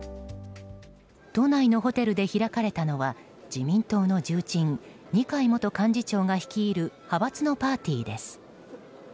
都内のホテルで開かれたのは自民党の重鎮二階元幹事長が率いる派閥のパーティーです。